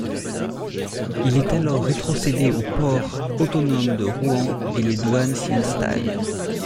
Il est alors rétrocédé au Port Autonome de Rouen et les douanes s'y installent.